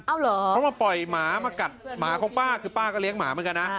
เอาเหรอเพราะมาปล่อยหมามากัดหมาของป้าคือป้าก็เลี้ยงหมาเหมือนกันนะ